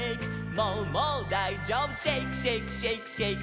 「もうもうだいじょうぶシェイクシェイクシェイクシェイク」